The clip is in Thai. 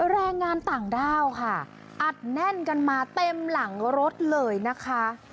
แรงงานต่างด้าวค่ะอัดแน่นกันมาเต็มหลังรถเลยนะคะ